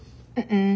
うん。